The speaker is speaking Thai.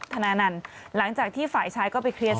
ธนานันต์หลังจากที่ฝ่ายชายก็ไปเคลียร์